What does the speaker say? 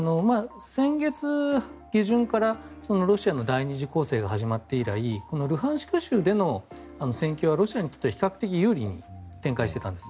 先月下旬からロシアの第２次攻勢が始まって以来このルハンシク州での戦況はロシアにとって比較的有利に展開していたんです。